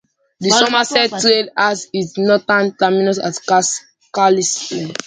The Summerset Trail has its northern terminus at Carlisle.